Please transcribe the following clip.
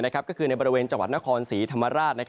ก็คือในบริเวณจังหวัดนครศรีธรรมราช